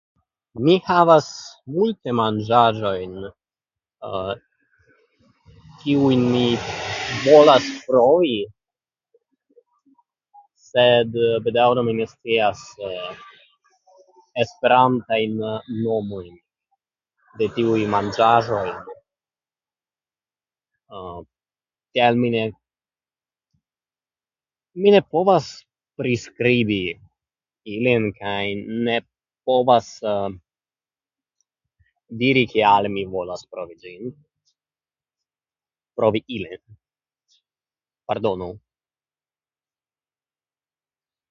Mi havas multe [gramatiko|da] manĝaĵojn, kiujn mi volas provi, sed bedaŭre mi ne scias esperantajn nomojn de tiuj manĝaĵoj. Tial mi ne... mi ne povas priskribi ilin kaj ne povas diri kial mi volas provi ĝin... provi ilin. Pardonu!